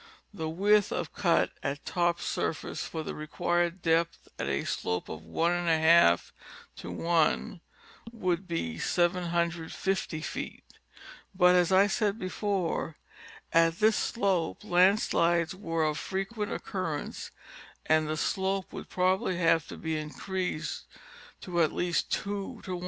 The width of cut at top surface for the required depth at a slope of \\ to 1 woixld be 750 feet, but as I said before, at this slope landslides were of fi equent occurrence and the slope would probably have to be increased to at least 2 to 1.